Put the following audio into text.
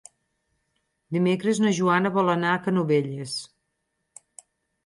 Dimecres na Joana vol anar a Canovelles.